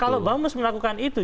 pimpinan dpr harus melakukan itu